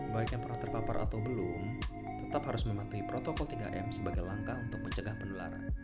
baik yang pernah terpapar atau belum tetap harus mematuhi protokol tiga m sebagai langkah untuk mencegah penularan